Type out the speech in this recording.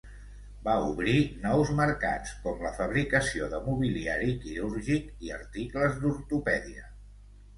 Va obrir nous mercats, com la fabricació de mobiliari quirúrgic i articles d'ortopèdia.